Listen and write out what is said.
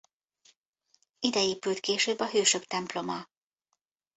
Ide épült később a Hősök temploma.